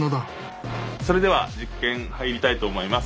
それでは実験入りたいと思います。